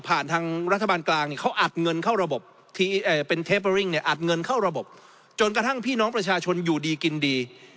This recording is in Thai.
เป็นเทเปอร์ริ่งอัดเงินเข้าระบบจนกระทั่งพี่น้องประชาชนอยู่ดีกินดี